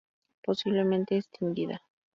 Posiblemente extinguida.